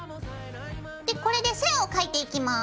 でこれで線を描いていきます。